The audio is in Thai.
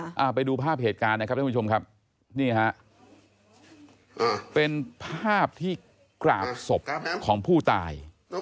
อ่าไปดูภาพเหตุการณ์นะครับท่านผู้ชมครับนี่ฮะเป็นภาพที่กราบศพของผู้ตาย